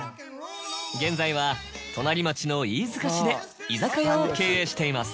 現在は隣町の飯塚市で居酒屋を経営しています。